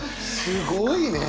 すごいね！